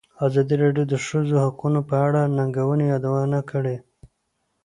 ازادي راډیو د د ښځو حقونه په اړه د ننګونو یادونه کړې.